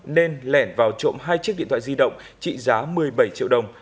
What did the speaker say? nên lẻn vào trộm hai chiếc điện thoại di động trị giá một mươi bảy triệu đồng